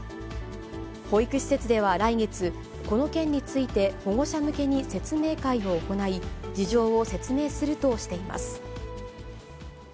保育施設では来月、この件について保護者向けに説明会を行い、事情を説明するとしています。